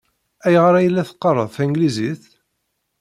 Ayɣer ay la teqqareḍ tanglizit?